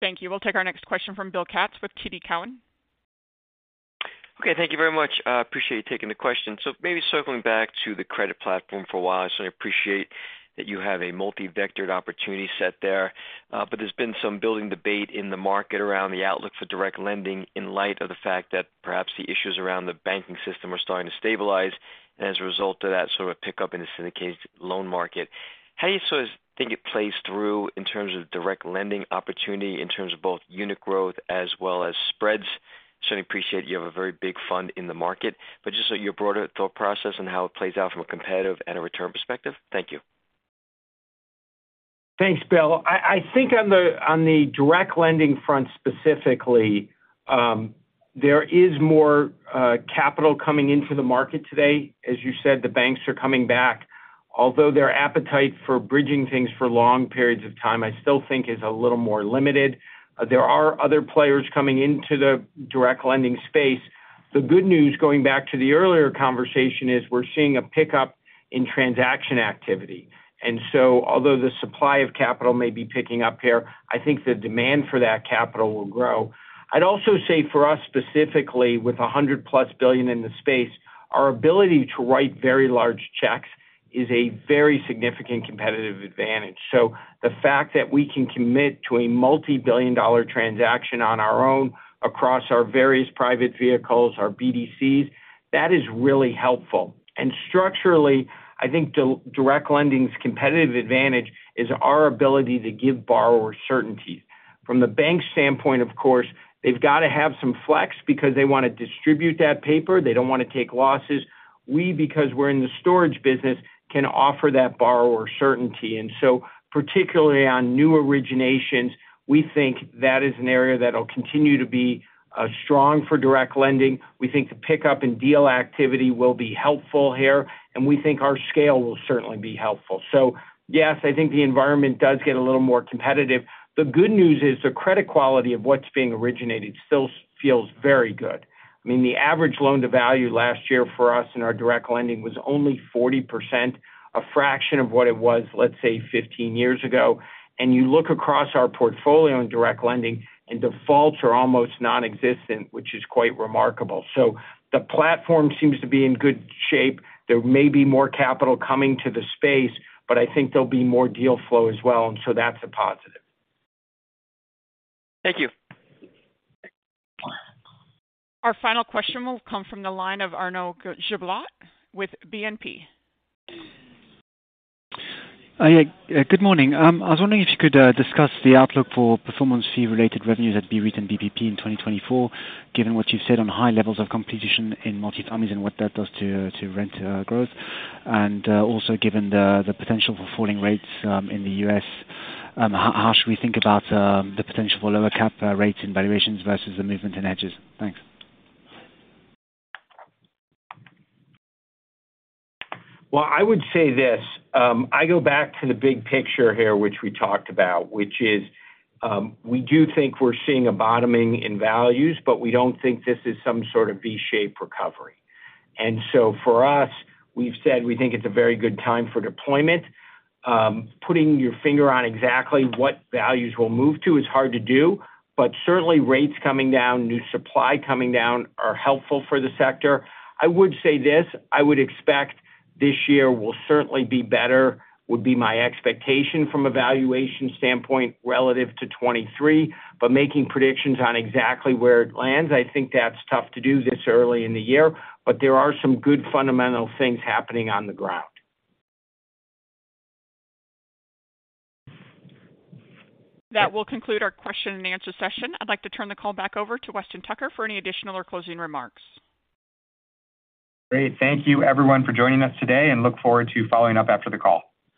Thank you. We'll take our next question from Bill Katz with TD Cowen. Okay, thank you very much. Appreciate you taking the question. So maybe circling back to the credit platform for a while. I certainly appreciate that you have a multi-vectored opportunity set there, but there's been some building debate in the market around the outlook for direct lending, in light of the fact that perhaps the issues around the banking system are starting to stabilize, and as a result of that, sort of a pickup in the syndicated loan market. How do you sort of think it plays through in terms of direct lending opportunity, in terms of both unit growth as well as spreads? Certainly appreciate you have a very big fund in the market, but just so your broader thought process and how it plays out from a competitive and a return perspective. Thank you.... Thanks, Bill. I think on the direct lending front specifically, there is more capital coming into the market today. As you said, the banks are coming back, although their appetite for bridging things for long periods of time, I still think is a little more limited. There are other players coming into the direct lending space. The good news, going back to the earlier conversation, is we're seeing a pickup in transaction activity. And so although the supply of capital may be picking up here, I think the demand for that capital will grow. I'd also say for us, specifically, with $100+ billion in the space, our ability to write very large checks is a very significant competitive advantage. So the fact that we can commit to a multibillion-dollar transaction on our own across our various private vehicles, our BDCs, that is really helpful. And structurally, I think direct lending's competitive advantage is our ability to give borrowers certainty. From the bank's standpoint, of course, they've got to have some flex because they wanna distribute that paper. They don't wanna take losses. We, because we're in the storage business, can offer that borrower certainty. And so particularly on new originations, we think that is an area that'll continue to be strong for direct lending. We think the pickup in deal activity will be helpful here, and we think our scale will certainly be helpful. So yes, I think the environment does get a little more competitive. The good news is, the credit quality of what's being originated still feels very good. I mean, the average loan-to-value last year for us in our direct lending was only 40%, a fraction of what it was, let's say, 15 years ago. And you look across our portfolio in direct lending, and defaults are almost non-existent, which is quite remarkable. So the platform seems to be in good shape. There may be more capital coming to the space, but I think there'll be more deal flow as well, and so that's a positive. Thank you. Our final question will come from the line of Arnaud Giblat with BNP. Yeah, good morning. I was wondering if you could discuss the outlook for performance fee-related revenues at REIT and BPP in 2024, given what you've said on high levels of competition in multifamilies and what that does to rent growth. And also, given the potential for falling rates in the U.S., how should we think about the potential for lower cap rates and valuations versus the movement in hedges? Thanks. Well, I would say this, I go back to the big picture here, which we talked about, which is, we do think we're seeing a bottoming in values, but we don't think this is some sort of V-shaped recovery. And so for us, we've said we think it's a very good time for deployment. Putting your finger on exactly what values we'll move to is hard to do, but certainly, rates coming down, new supply coming down are helpful for the sector. I would say this, I would expect this year will certainly be better, would be my expectation from a valuation standpoint relative to 2023. But making predictions on exactly where it lands, I think that's tough to do this early in the year. But there are some good fundamental things happening on the ground. That will conclude our question-and-answer session. I'd like to turn the call back over to Weston Tucker for any additional or closing remarks. Great. Thank you, everyone, for joining us today, and look forward to following up after the call.